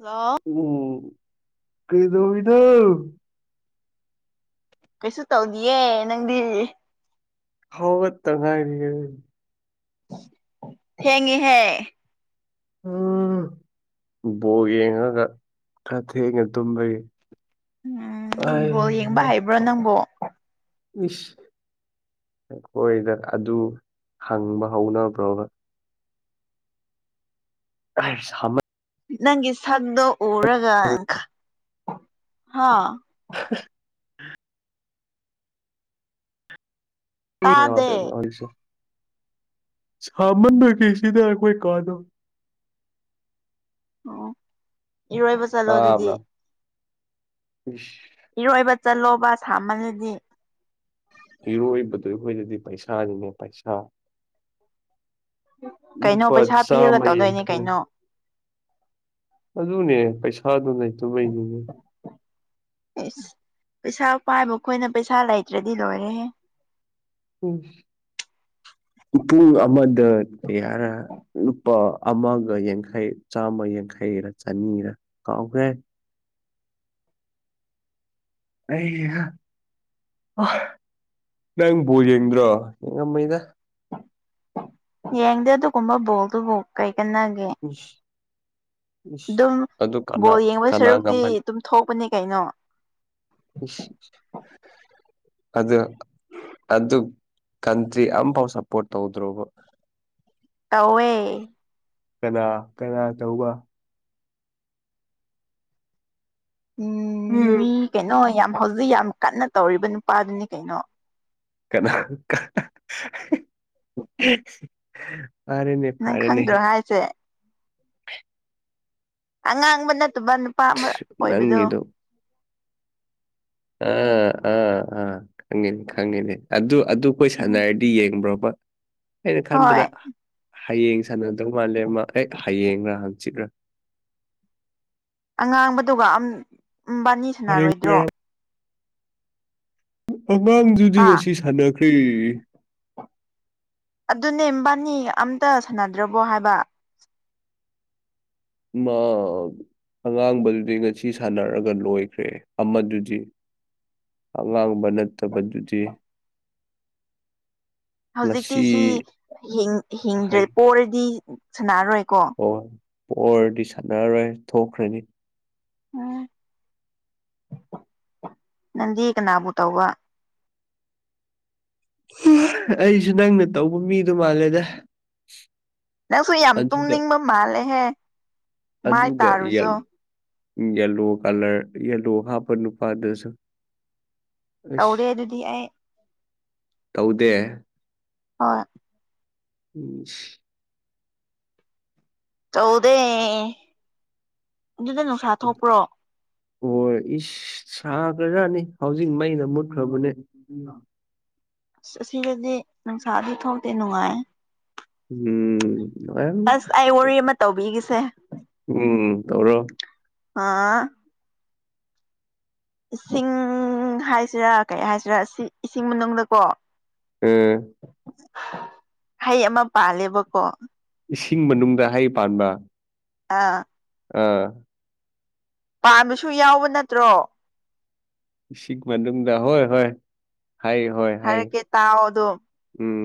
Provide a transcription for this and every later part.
Hello ꯀ꯭ꯔꯤꯗꯧꯔꯤꯅꯣ ꯀꯩꯁꯨ ꯇꯧꯗꯤꯌꯦ ꯅꯪꯗꯤ ꯍꯥꯎꯒꯠꯇ ꯉꯥꯏꯔꯤꯌꯦ ꯊꯦꯡꯉꯤꯍꯦ ꯎꯝ ꯕꯣꯛ ꯌꯦꯡꯉꯒ ꯈꯔ ꯊꯦꯡꯉ ꯇꯨꯝꯕꯩ ꯎꯝ ꯕꯣꯜ ꯌꯦꯡꯕ ꯍꯩꯕ꯭ꯔꯥ ꯅꯪꯕꯣ ꯏꯁ ꯑꯩꯈꯣꯏꯗ ꯑꯗꯨ ꯍꯪꯕ ꯍꯧꯅꯕ꯭ꯔꯣꯕ [unintelligible] ꯁꯥꯃꯟ ꯅꯪꯒꯤ ꯁꯝꯗꯣ ꯎꯔꯒ ꯁꯥꯃꯟ ꯍꯥ [unintelligible] ꯇꯥꯗꯦ ꯍꯧꯖꯤꯛꯁꯦ ꯁꯥꯃꯟꯗ ꯀꯦꯁꯤꯗ ꯑꯩꯈꯣꯏ ꯀꯥꯗꯣ ꯑꯣ ꯏꯔꯣꯏꯕ ꯆꯠꯂꯣ ꯑꯗꯨꯗꯤ ꯇꯥꯕ꯭ꯔꯥ [unintelligible] ꯏꯔꯣꯏꯕ ꯆꯠꯂꯣꯕ ꯁꯥꯃꯜꯂꯗꯤ ꯏꯔꯣꯏꯕꯗꯣ ꯑꯩꯈꯣꯏꯗꯗꯤ ꯄꯩꯁꯥꯅꯤꯅꯦ ꯄꯩꯁꯥ ꯀꯩꯅꯣ ꯅꯨꯄꯥ ꯄꯩꯁꯥ ꯄꯤꯔꯒ ꯆꯥꯝꯃꯥ ꯇꯧꯗꯣꯏꯅꯦ ꯌꯥꯡꯈꯩ ꯀꯩꯅꯣ ꯑꯗꯨꯅꯦ ꯄꯩꯁꯥꯗꯨ ꯂꯩꯇꯕꯩꯅꯤꯅꯦ ꯏꯁ ꯄꯩꯁꯥ ꯄꯥꯏꯕꯈꯣꯏꯅ ꯄꯩꯁꯥ ꯂꯩꯇ꯭ꯔꯗꯤ ꯂꯣꯏꯔꯦꯍꯦ ꯄꯨꯡ ꯑꯃꯗ ꯀꯌꯥꯔ ꯅꯨꯄꯥ ꯑꯃꯒ ꯌꯥꯡꯈꯩ ꯆꯥꯝꯃ ꯌꯥꯡꯈꯩꯔꯥ ꯆꯅꯤꯔꯥ ꯀꯥꯎꯈ꯭ꯔꯦ ꯅꯪ ꯕꯣꯜ ꯌꯦꯡꯗ꯭ꯔꯣ ꯌꯦꯡꯉꯝꯃꯣꯏꯗ ꯌꯦꯡꯗꯦ ꯑꯗꯨꯒꯨꯝꯕ ꯕꯣꯜꯗꯨꯕꯨ ꯀꯩ ꯀꯟꯅꯒꯦ [unintelligible] ꯏꯁ ꯑꯗꯨꯝ ꯑꯗꯨ ꯀꯅꯥ ꯕꯣꯜ ꯌꯦꯡꯕ ꯀꯅꯥ ꯁꯔꯨꯛꯇꯤ ꯉꯝꯍꯟ ꯇꯨꯝꯊꯣꯛꯄꯅꯤ ꯀꯩꯅꯣ ꯑꯗꯨꯒ ꯑꯗꯨ ꯀꯟꯇ꯭ꯔꯤ ꯑꯝꯐꯥꯎ ꯁꯞꯄꯣꯔꯠ ꯇꯧꯗ꯭ꯔꯣꯕ ꯇꯧꯋꯦ ꯀꯅꯥ ꯀꯅꯥ ꯇꯧꯕ ꯎꯝ ꯀꯩꯅꯣ ꯌꯥꯝ ꯍꯧꯖꯤꯛ ꯌꯥꯝ ꯀꯟꯅ ꯇꯧꯔꯤꯕ ꯅꯨꯄꯥꯗꯨꯅꯤ ꯀꯩꯅꯣ ꯀꯅꯥ ꯐꯔꯦꯅꯦ ꯅꯪ ꯐꯔꯦꯅꯦ ꯈꯪꯗ꯭ꯔꯣ ꯍꯥꯏꯖꯦ ꯑꯉꯥꯡꯕ ꯅꯠꯇꯕ ꯅꯨꯄꯥ ꯑꯃ ꯑꯣꯏꯕꯗꯣ ꯅꯪꯒꯤꯗꯣ ꯑ ꯑ ꯑ ꯈꯪꯉꯅꯤ ꯈꯪꯉꯅꯤ ꯑꯗꯨ ꯑꯗꯨ ꯑꯗꯨ ꯀꯣꯏ ꯎꯝ ꯁꯥꯟꯅꯔ ꯗꯤ ꯌꯦꯡꯕ꯭ꯔꯣꯕ ꯑꯩꯅ ꯍꯣꯏ ꯈꯟꯕꯗ ꯍꯌꯦꯡ ꯁꯥꯟꯅꯗꯧ ꯃꯥꯜꯂꯦ ꯃꯥ ꯑꯦꯛ ꯍꯌꯦꯡꯔ ꯍꯪꯆꯤꯠꯔ ꯑꯉꯥꯡꯕꯗꯨꯒ ꯑꯝ ꯕꯥꯅꯤ ꯍꯌꯦꯡ ꯁꯥꯟꯅꯔꯣꯏꯗ꯭ꯔꯣ ꯉꯔꯥꯡ ꯑꯉꯥꯡꯗꯨꯗꯤ ꯍꯥ ꯉꯁꯤ ꯁꯥꯟꯅꯈ꯭ꯔꯦ ꯑꯗꯨꯅꯦ ꯃꯕꯥꯅꯤ ꯑꯝꯇ ꯁꯥꯟꯅꯗ꯭ꯔꯕꯣ ꯍꯥꯏꯕ ꯃꯥ ꯑꯉꯥꯡꯕꯗꯨꯗꯤ ꯉꯁꯤ ꯁꯥꯟꯅꯔꯒ ꯂꯣꯏꯈ꯭ꯔꯦ ꯑꯃꯗꯨꯗꯤ ꯑꯉꯥꯡꯕ ꯅꯠꯇꯕꯗꯨꯗꯤ ꯍꯧꯖꯤꯛꯇꯤ ꯉꯁꯤ ꯁꯤ ꯍꯤꯡ ꯍꯩ ꯍꯤꯡꯗ꯭ꯔꯦ ꯄꯣꯔꯗꯤ ꯁꯥꯟꯅꯔꯣꯏꯀꯣ ꯍꯣꯏ ꯄꯣꯔꯗꯤ ꯁꯥꯟꯅꯔꯔꯣꯏ ꯊꯣꯛꯈ꯭ꯔꯅꯤ ꯎꯝ ꯅꯪꯗꯤ ꯀꯅꯥꯕꯨ ꯇꯧꯕ ꯑꯩꯖꯨ ꯅꯪꯅ ꯇꯧꯕ ꯃꯤꯗꯣ ꯃꯥꯜꯂꯦꯗ ꯅꯪꯁꯨ ꯌꯥꯝ ꯑꯗꯨꯒ ꯇꯨꯝꯅꯤꯡꯕ ꯃꯥꯜꯂꯦꯍꯦ ꯃꯥꯏ ꯇꯥꯔꯨꯆꯣ ꯌꯦꯂꯣ ꯀꯂꯔ ꯌꯦꯜꯂꯣ ꯍꯥꯞꯄ ꯅꯨꯄꯥꯗꯨꯁꯨ ꯇꯧꯗꯦ ꯑꯩꯁ ꯑꯗꯨꯗꯤ ꯑꯩ ꯇꯧꯗꯦ ꯍꯣꯏ ꯎꯝ ꯁꯤꯁ ꯇꯧꯗꯦ ꯑꯗꯨꯗ ꯅꯨꯡꯁꯥ ꯊꯣꯛꯄ꯭ꯔꯣ ꯄꯣꯔ ꯏꯁ ꯁꯥꯒ꯭ꯔꯖꯥꯠꯅꯤ ꯍꯧꯖꯤꯛ ꯃꯩꯅ ꯃꯨꯠꯈ꯭ꯔꯕꯅꯦ ꯑꯁ ꯑꯁꯤꯗꯗꯤ ꯅꯨꯡꯁꯥꯗꯤ ꯊꯣꯛꯇꯦ ꯅꯨꯡꯉꯥꯏ ꯎꯝ ꯑꯁ ꯑꯩ ꯋꯥꯔꯤ ꯑꯃ ꯇꯧꯕꯤꯒꯦꯁꯦ ꯎꯝ ꯇꯧꯔꯣ ꯑꯥ ꯏꯁꯤꯡ ꯍꯥꯏꯁꯤꯔꯥ ꯀꯩ ꯍꯥꯏꯁꯤꯔꯥ ꯁꯥ ꯏꯁꯤꯡ ꯃꯅꯨꯡꯗꯀꯣ ꯎꯝ ꯍꯩ ꯑꯃ ꯄꯥꯜꯂꯦꯕꯀꯣ ꯏꯁꯤꯡ ꯃꯅꯨꯡꯗ ꯍꯩ ꯄꯥꯟꯕ ꯑꯥ ꯑꯥ ꯄꯥꯟꯕꯁꯨ ꯌꯥꯎꯕ ꯅꯠꯇ꯭ꯔꯣ ꯏꯁꯤꯡ ꯃꯅꯨꯡꯗ ꯍꯣꯏ ꯍꯣꯏ ꯍꯩ ꯍꯣꯏ ꯍꯩ ꯍꯥꯏꯔꯛꯀꯦ ꯇꯥꯎ ꯑꯗꯣ ꯎꯝ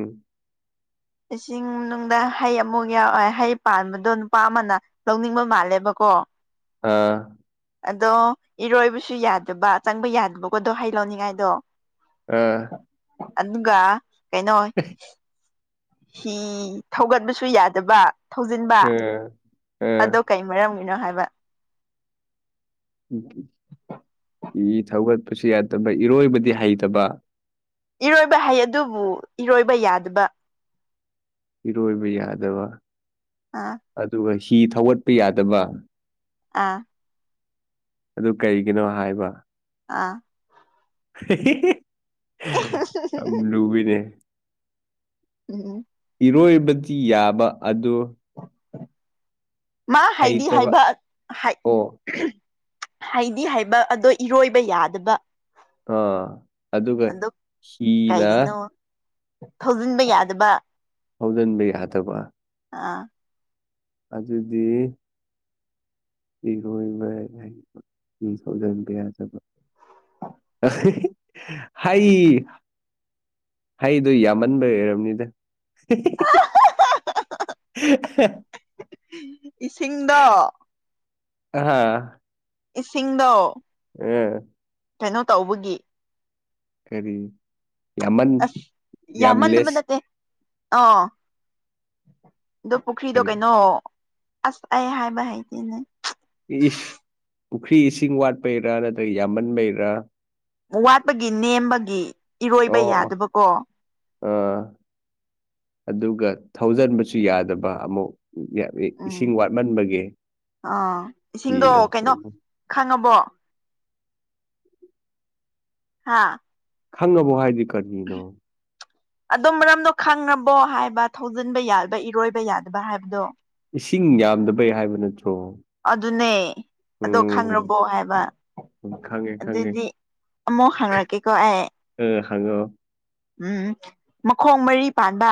ꯏꯁꯤꯡ ꯃꯅꯨꯡꯗ ꯍꯩ ꯑꯃꯨꯛ ꯌꯥꯎꯑꯦ ꯍꯩ ꯄꯥꯟꯕꯗꯣ ꯅꯨꯄꯥ ꯑꯃꯅ ꯂꯧꯅꯤꯡꯕ ꯃꯥꯜꯂꯦꯕꯀꯣ ꯑꯥ ꯑꯗꯣ ꯏꯔꯣꯏꯕꯁꯨ ꯌꯥꯗꯕ ꯆꯪꯕ ꯌꯥꯗꯕꯀꯣꯗꯣ ꯍꯩ ꯂꯧꯅꯤꯡꯉꯥꯏꯗꯣ ꯑꯥ ꯑꯗꯨꯒ ꯀꯩꯅꯣ ꯍꯤ ꯊꯧꯒꯠꯕꯁꯨ ꯌꯥꯗꯕ ꯊꯧꯖꯤꯟꯕ ꯑꯥ ꯑꯥ ꯑꯗꯣ ꯀꯩ ꯃꯔꯝꯒꯤꯅꯣ ꯍꯥꯏꯕ ꯎ ꯏ ꯊꯧꯒꯠꯄꯁꯨ ꯌꯥꯗꯕ ꯏꯔꯣꯏꯕꯗꯤ ꯍꯩꯇꯕ ꯏꯔꯣꯏꯕ ꯍꯥꯏꯩ ꯑꯗꯨꯕꯨ ꯏꯔꯣꯏꯕ ꯌꯥꯗꯕ ꯏꯔꯣꯏꯕ ꯌꯥꯗꯕ ꯑꯥ ꯑꯗꯨꯒ ꯍꯤ ꯊꯧꯒꯠꯄ ꯌꯥꯗꯕ ꯑꯥ ꯑꯗꯨ ꯀꯔꯤꯒꯤꯅꯣ ꯍꯥꯏꯕ ꯑꯥ ꯍꯤ ꯍꯤ ꯌꯥꯝ ꯂꯨꯋꯤꯅꯦ ꯎꯝ ꯎꯝ ꯏꯔꯣꯏꯕꯗꯤ ꯌꯥꯕ ꯑꯗꯣ ꯃꯥ ꯍꯥꯏꯗꯤ ꯍꯩꯇꯕ ꯍꯥꯏꯕ ꯑꯣ ꯍꯥꯏꯠ ꯍꯩꯗꯤ ꯍꯩꯕ ꯑꯗꯣ ꯏꯔꯣꯏꯕ ꯌꯥꯗꯕ ꯑꯥ ꯑꯗꯨꯒ ꯑꯗꯣ ꯁꯤꯅ ꯀꯩꯒꯤꯅꯣ ꯊꯧꯖꯤꯟꯕ ꯌꯥꯗꯕ ꯊꯧꯖꯤꯟꯕ ꯌꯥꯗꯕ ꯑꯥ ꯑꯗꯨꯗꯤ ꯏꯔꯣꯏꯕ ꯍꯩꯕ ꯃꯤ ꯊꯧꯖꯤꯟꯕ ꯌꯥꯗꯕ ꯍꯩ ꯍꯩꯗꯣ ꯌꯥꯝꯃꯟꯕꯩ ꯑꯣꯏꯔꯝꯅꯤꯗ ꯍꯤ ꯍꯤ [unintelligible] ꯏꯁꯤꯡꯗꯣ ꯑꯍꯥꯥ ꯏꯁꯤꯡꯗꯣ ꯑꯥ ꯀꯩꯅꯣ ꯇꯧꯕꯒꯤ ꯀꯔꯤ ꯌꯥꯝꯃꯟ ꯑꯁ ꯌꯥꯝ ꯂꯦꯁ ꯑ ꯑꯗꯣ ꯄꯨꯈ꯭ꯔꯤꯗꯣ ꯀꯔꯤ ꯀꯩꯅꯣ ꯑꯁ ꯑꯩ ꯍꯥꯏꯕ ꯍꯩꯇꯦ ꯅꯪ ꯏꯁ ꯄꯨꯈ꯭ꯔꯤ ꯏꯁꯤꯡ ꯋꯥꯠꯄꯩꯔꯥ ꯅꯠꯇ꯭ꯔꯒ ꯌꯥꯝꯃꯟꯕꯩꯔꯥ ꯋꯥꯠꯄꯒꯤ ꯅꯦꯝꯕꯒꯤ ꯏꯔꯣꯏꯕ ꯌꯥꯗꯕꯀꯣ ꯑ ꯑꯗꯨꯒ ꯊꯧꯖꯟꯕꯁꯨ ꯌꯥꯗꯕ ꯑꯃꯨꯛ ꯎꯝ ꯏꯁꯤꯡ ꯋꯥꯠꯃꯟꯕꯒꯤ ꯑꯥ ꯏꯁꯤꯡꯗꯣ ꯐꯤꯗꯣ ꯎ ꯀꯩꯅꯣ ꯈꯪꯉꯕꯣ ꯍꯥꯥ ꯈꯪꯉꯕꯣ ꯍꯥꯏꯗꯤ ꯀꯔꯤꯅꯣ ꯑꯗꯨ ꯃꯔꯝꯗꯣ ꯈꯪꯉꯕꯣ ꯍꯥꯏꯕ ꯊꯧꯖꯤꯟꯕ ꯌꯥꯕ ꯏꯔꯣꯏꯕ ꯌꯥꯗꯕ ꯍꯥꯏꯕꯗꯣ ꯏꯁꯤꯡ ꯌꯥꯝꯗꯕꯩ ꯍꯥꯏꯕ ꯅꯠꯇ꯭ꯔꯣ ꯑꯗꯨꯅꯦ ꯑꯗꯣ ꯎꯝ ꯈꯪꯉꯕꯣ ꯍꯥꯏꯕ ꯈꯪꯉꯦ ꯈꯪꯉꯦ ꯑꯗꯨꯏꯗꯤ ꯑꯃꯨꯛ ꯍꯪꯔꯀꯀꯦꯀꯣ ꯑꯩ ꯑ ꯍꯪꯉꯛꯑꯣ ꯎꯝ ꯃꯈꯣꯡ ꯃꯔꯤ ꯄꯥꯟꯕ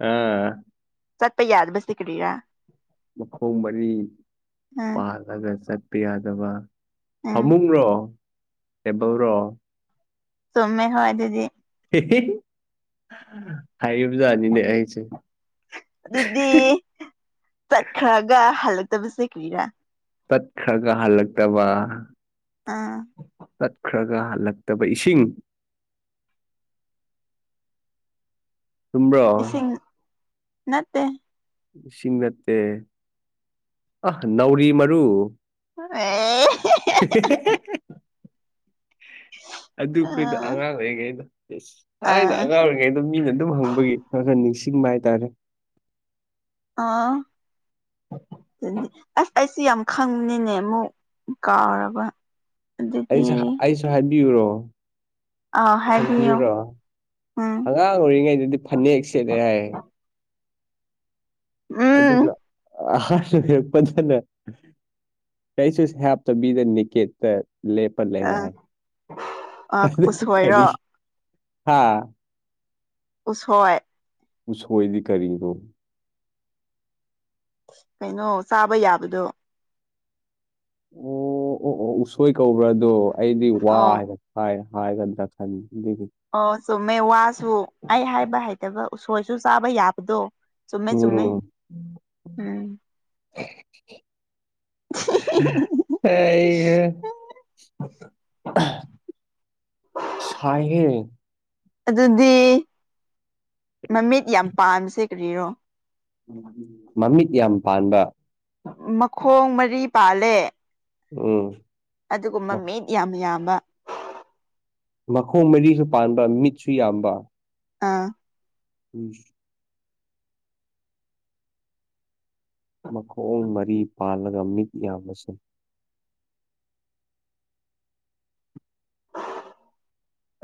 ꯑꯥ ꯆꯠꯄ ꯌꯥꯗꯕꯁꯤꯗꯤ ꯀꯔꯤꯔ ꯃꯈꯣꯡ ꯃꯔꯤ ꯎꯝ ꯄꯥꯜꯂꯒ ꯆꯠꯄ ꯌꯥꯗꯕ ꯎꯝ ꯐꯃꯨꯡꯔꯣ ꯇꯦꯕꯜꯔꯣ ꯆꯨꯝꯃꯦ ꯍꯣꯏ ꯑꯗꯨꯗꯤ ꯍꯥꯏꯔꯤꯕ ꯖꯥꯠꯅꯤꯅꯦ ꯑꯩꯁꯦ ꯑꯗꯨꯗꯤ ꯆꯠꯈ꯭ꯔꯒ ꯍꯜꯂꯛꯇꯕꯁꯦ ꯀ꯭ꯔꯤꯔꯥ ꯇꯠꯈ꯭ꯔꯒ ꯍꯜꯂꯛꯇꯕ ꯑꯥ ꯇꯠꯈ꯭ꯔꯒ ꯍꯜꯂꯛꯇꯕ ꯏꯁꯤꯡ ꯆꯨꯝꯕ꯭ꯔꯣ ꯏꯁꯤꯡ ꯅꯠꯇꯦ ꯏꯁꯤꯡ ꯅꯠꯇꯦ ꯑ ꯅꯥꯎꯔꯤ ꯃꯔꯨ [unintelligible] ꯑꯗꯨꯈꯣꯏꯗꯣ ꯑꯥ ꯑꯉꯥꯡ ꯑꯣꯏꯔꯤꯉꯩꯗ ꯑꯩꯅ ꯑꯥ ꯑꯉꯥꯡ ꯑꯣꯏꯔꯤꯉꯩꯗ ꯃꯤꯅ ꯑꯗꯨꯝ ꯍꯪꯕꯒꯤ ꯈꯔ ꯈꯔ ꯅꯤꯡꯁꯤꯡꯕ ꯍꯥꯏꯇꯥꯔꯦ ꯑꯥ ꯑꯗꯨꯗꯤ ꯑꯁ ꯑꯩꯁꯨ ꯌꯥꯝ ꯈꯪꯕꯅꯤꯅꯦ ꯑꯃꯨꯛ ꯀꯥꯎꯔꯕ ꯑꯗꯨꯗꯤ ꯑꯩꯁꯨ ꯑꯩꯁꯨ ꯍꯥꯏꯕꯤꯌꯨꯔꯣ ꯑꯥꯎ ꯍꯥꯏꯕꯤꯌꯣ ꯈꯪꯕꯤꯌꯨꯔꯣ ꯎꯝ ꯑꯉꯥꯡ ꯥꯑꯣꯏꯔꯤꯉꯩꯗꯗꯤ ꯐꯅꯦꯛ ꯁꯦꯠꯂꯦ ꯍꯥꯏꯌꯦ ꯑꯗꯨꯒ ꯎꯝ ꯑꯍꯜ ꯑꯣꯏꯔꯛꯄꯗꯅ ꯀꯔꯤꯁꯨ ꯍꯞꯇꯕꯤꯗ ꯅꯦꯀꯦꯠꯇ ꯂꯦꯞ ꯄꯂꯦ ꯍꯥꯏ ꯑ ꯑꯗꯨ ꯎꯁꯣꯏꯔꯣ ꯀꯔꯤ ꯍꯥꯥ ꯎꯁꯣꯏ ꯎꯁꯣꯏꯗꯤ ꯀꯔꯤꯅꯣ ꯀꯩꯅꯣ ꯆꯥꯕ ꯌꯥꯕꯗꯣ ꯑꯣ ꯑꯣ ꯑꯣ ꯎꯁꯣꯏ ꯀꯧꯕ꯭ꯔꯥꯗꯣ ꯑꯩꯗꯤ ꯋꯥ ꯑꯣ ꯍꯥꯏꯕ ꯍꯥꯏ ꯍꯥꯏꯒꯗ꯭ꯔ ꯈꯟꯕ ꯑꯗꯨꯒꯤ ꯑꯣ ꯆꯨꯝꯃꯦ ꯋꯥꯁꯨ ꯑꯩ ꯍꯥꯏꯕ ꯍꯩꯇꯕ ꯎꯁꯣꯏꯁꯨ ꯆꯥꯕ ꯌꯥꯕꯗꯣ ꯆꯨꯝꯃꯦ ꯆꯨꯝꯃꯦ ꯎꯝ ꯎꯝ [unintelligible] [unintelligible] ꯁꯥꯏꯍꯦ ꯑꯗꯨꯗꯤ ꯃꯃꯤꯠ ꯌꯥꯝ ꯄꯥꯟꯕꯁꯦ ꯀꯔꯤꯔꯣ ꯃꯃꯤꯠ ꯌꯥꯝ ꯄꯥꯟꯕ ꯃꯈꯣꯡ ꯃꯔꯤ ꯄꯥꯜꯂꯦ ꯎꯝ ꯑꯗꯨꯒ ꯃꯃꯤꯠ ꯌꯥꯝ ꯌꯥꯝꯕ ꯃꯈꯣꯡ ꯃꯔꯤꯁꯨ ꯄꯥꯟꯕ ꯃꯤꯠꯁꯨ ꯌꯥꯝꯕ ꯑꯥ ꯎꯝ ꯃꯈꯣꯡ ꯃꯔꯤ ꯄꯥꯜꯂꯒ ꯃꯤꯠ ꯌꯥꯝꯕꯁꯦ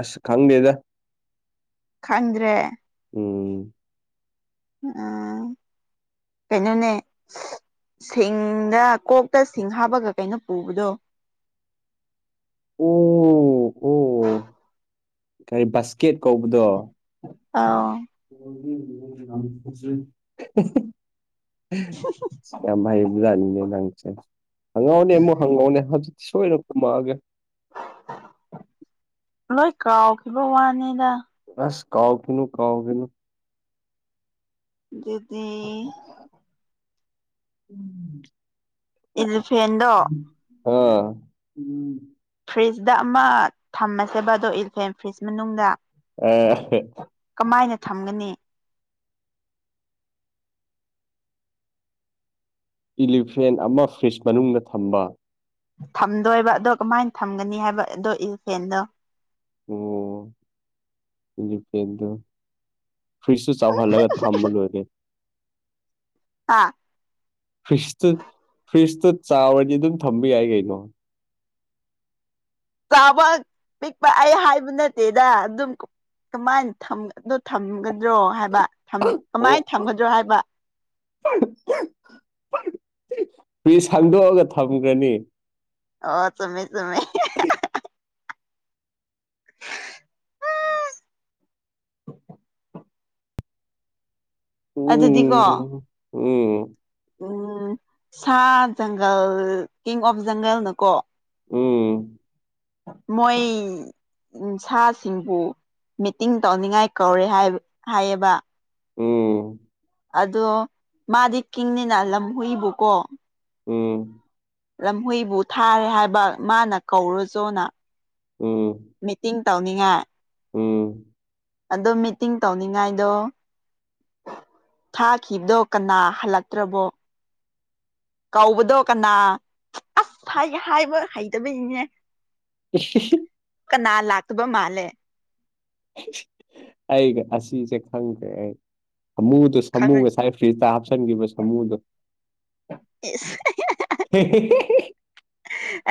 ꯑꯁ ꯈꯪꯗꯦꯗ ꯈꯪꯗ꯭ꯔꯦ ꯎꯝ ꯑ ꯀꯩꯅꯣꯅꯦ ꯁꯤꯡꯗ ꯀꯣꯛꯇ ꯁꯤꯡ ꯍꯥꯞꯄꯒ ꯀꯩꯅꯣ ꯄꯨꯕꯗꯣ ꯑꯣ ꯑꯣ ꯀꯔꯤ ꯕꯥꯁꯀꯦꯠ ꯀꯧꯕꯗꯣ ꯑꯥꯎ [unintelligible] ꯌꯥꯝ ꯍꯥꯏꯕꯖꯥꯅꯤꯡꯅꯦ ꯅꯪꯁꯦ ꯍꯪꯉꯥꯑꯣꯅꯦ ꯑꯃꯨꯛ ꯍꯪꯉꯥꯑꯣꯅꯦ ꯍꯧꯖꯤꯛꯇꯤ ꯁꯣꯏꯅ ꯈꯨꯃꯛꯑꯥꯒꯦ꯫ ꯂꯣꯏ ꯀꯥꯎꯈꯤꯕ ꯋꯥꯅꯤꯗ꯫ ꯑꯁ ꯀꯥꯎꯈꯤꯅꯨ ꯀꯅꯨꯈꯤꯅꯨ꯫ ꯑꯗꯨꯗꯤ [inaudible] ꯏꯂꯤꯐꯦꯟꯗꯣ ꯑꯥ ꯐ꯭ꯔꯤꯖꯗꯥ ꯑꯃ ꯊꯝꯃꯁꯦꯕ ꯑꯗꯣ ꯏꯜꯐꯦꯝ ꯐ꯭ꯔꯤꯖ ꯃꯅꯨꯡꯗ꯫ ꯑ ꯑꯥꯍꯥ ꯀꯃꯥꯏꯅ ꯊꯝꯒꯅꯤ꯫ ꯏꯂꯤꯐ꯭ꯔꯦꯟ ꯑꯃ ꯐ꯭ꯔꯤꯖ ꯃꯅꯨꯡꯗ ꯊꯝꯕ꫰ ꯊꯝꯗꯣꯏꯕ ꯑꯗꯣ ꯀꯃꯥꯏꯟ ꯊꯝꯒꯅꯤ ꯍꯥꯏꯕ ꯑꯗꯣ ꯏꯜꯐꯦꯟꯗꯣ꯫ ꯑꯣ ꯏꯂꯤꯐꯦꯟꯗꯣ꫰ ꯐ꯭ꯔꯤꯖꯇꯨ ꯆꯥꯎꯍꯜꯂꯒ ꯊꯝꯕ ꯂꯣꯏꯔꯦ ꯀꯩꯅꯣ꯫ ꯑꯥ ꯐ꯭ꯔꯤꯖꯇꯨ ꯐ꯭ꯔꯤꯖꯇꯨ ꯆꯥꯎꯔꯗꯤ ꯑꯗꯨꯝ ꯊꯝꯕ ꯌꯥꯏ ꯀꯩꯅꯣ꯫ ꯆꯥꯕ ꯄꯤꯛꯄ ꯑꯩ ꯍꯥꯏꯕ ꯅꯠꯇꯦꯗ ꯑꯗꯨꯝ꫰ ꯀꯃꯥꯏꯅ ꯊꯝꯒ ꯗꯣ ꯊꯝꯒꯗ꯭ꯔꯣ ꯍꯥꯏꯕ ꯊꯝ ꯀꯃꯥꯏ ꯊꯝꯒꯗ꯭ꯔꯣ ꯍꯥꯏꯕ꯫ ꯐꯔꯤꯖ ꯍꯪꯗꯣꯛꯑꯥꯒ ꯊꯝꯒꯔꯅꯤ꯫ ꯑꯣ ꯆꯨꯝꯃꯦ ꯆꯨꯝꯃꯦ꯫ ꯑꯗꯨꯗꯤꯀꯣ ꯎꯝ ꯎꯝ꫰ ꯎꯝ ꯁꯥ ꯖꯪꯒꯜ ꯀꯤꯡ ꯑꯣꯐ ꯖꯪꯒꯜꯅꯀꯣ꫰ ꯎꯝ ꯃꯣꯏ ꯁꯥꯁꯤꯡꯕꯨ ꯃꯤꯇꯤꯡ ꯇꯧꯅꯤꯡꯉꯥꯏ ꯀꯧꯔꯦ ꯍꯥꯏ ꯍꯥꯏꯌꯦꯕ꯫ ꯎꯝ ꯑꯗꯣ ꯃꯥꯗꯤ ꯀꯤꯡꯅꯤꯅ ꯂꯝ ꯍꯨꯏꯕꯨꯀꯣ ꯎꯝ ꯂꯝꯍꯨꯏꯕꯨ ꯊꯥꯔꯦ ꯍꯥꯏꯕ ꯃꯥꯅ ꯀꯧꯔꯨꯖꯣꯅ꯫ ꯎꯝ ꯃꯤꯇꯤꯡ ꯇꯧꯅꯤꯡꯉꯥꯏ꯫ ꯎꯝ ꯑꯗꯣ ꯃꯤꯇꯤꯡ ꯇꯧꯅꯤꯡꯉꯥꯏꯗꯣ꫰ ꯊꯥꯈꯤꯕꯗꯣ ꯀꯅꯥ ꯍꯜꯂꯛꯇ꯭ꯔꯕꯣ꯫ ꯀꯧꯕꯗꯣ ꯀꯅꯥ ꯑꯁ ꯍꯥꯏꯒꯦ ꯍꯥꯏꯕ ꯍꯩꯇꯕꯏꯅꯤꯅꯦ꯫ [unintelligible] ꯀꯅꯥ ꯂꯥꯛꯇꯕ ꯃꯥꯜꯂꯦ ꯑꯩꯒ ꯑꯁꯤꯁꯦ ꯈꯪꯈ꯭ꯔꯦ ꯑꯩ ꯑꯃꯨꯗꯨ ꯁꯃꯨ ꯈꯪꯉ ꯉꯁꯥꯏ ꯐ꯭ꯔꯤꯖꯇ ꯍꯥꯞꯆꯟꯒꯤꯕ ꯁꯥꯃꯨꯗꯣ ꯏꯖ ꯑꯦ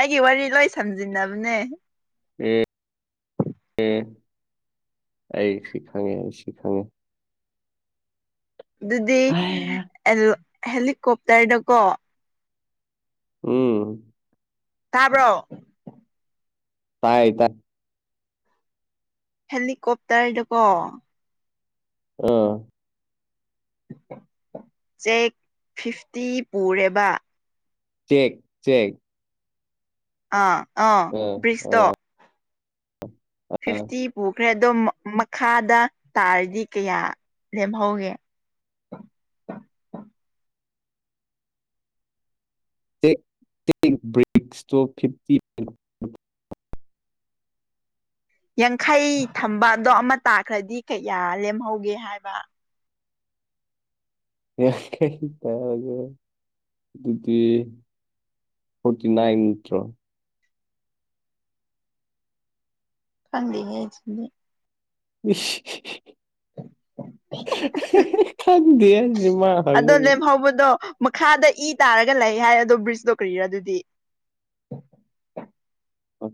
ꯑꯩꯒꯤ ꯋꯥꯔꯤ ꯂꯣꯏ ꯁꯝꯖꯤꯟꯅꯕꯅꯦ꯫ ꯑꯦ ꯑꯦ ꯑꯩꯁꯤ ꯈꯉꯦ ꯑꯩꯁꯤ ꯈꯉꯦ꯫ ꯑꯗꯨꯗꯤ ꯍꯥꯏꯌꯥ ꯑꯂꯣ ꯍꯦꯂꯤꯀꯣꯞꯇꯔꯗꯀꯣ꯫ ꯎꯝ ꯇꯥꯕ꯭ꯔꯣ꯫ ꯇꯥꯏ ꯇꯥꯏ ꯍꯦꯂꯤꯀꯣꯞꯇꯔꯗꯨꯀꯣ ꯑꯥ ꯆꯦꯛ ꯐꯤꯐꯇꯤ ꯄꯨꯔꯦꯕ ꯆꯦꯛ ꯆꯦꯛ ꯑꯥ ꯑꯥ ꯑ ꯄꯤꯁꯇꯣ ꯐꯤꯐꯇꯤ ꯄꯨꯈ꯭ꯔꯦ ꯑꯗꯣ ꯃꯈꯥꯗ ꯇꯥꯔꯗꯤ ꯀꯌꯥ ꯂꯦꯝꯍꯧꯒꯦ ꯆꯦꯛ [unintelligible] ꯇꯣ ꯐꯤꯞꯇꯤ [unintelligible] ꯌꯥꯡꯈꯩ ꯊꯝꯕ ꯑꯗꯣ ꯑꯃ ꯇꯥꯈ꯭ꯔꯗꯤ ꯀꯌꯥ ꯂꯦꯝꯍꯧꯒꯦ ꯍꯥꯏꯕ ꯍꯦ [unintelligible] ꯑꯗꯨꯗꯤ ꯐꯣꯔꯇꯤ ꯅꯥꯏꯟ ꯅꯠꯇ꯭ꯔꯣ ꯈꯪꯗꯦꯅꯦ ꯑꯗꯨꯗꯤ ꯢꯁ ꯈꯪꯗꯦ ꯍꯥꯢꯁꯤꯅꯤ ꯃꯥ ꯍꯪꯉꯒ ꯍꯧꯕꯗꯣ ꯃꯈꯥꯗ ꯏ ꯇꯥꯔꯒ ꯂꯩ ꯍꯥꯏ ꯑꯗꯣ ꯕ꯭ꯔꯤꯖꯇꯣ ꯀꯔꯤꯔ ꯑꯗꯨꯗꯤ ꯑꯣ